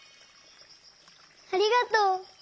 ありがとう！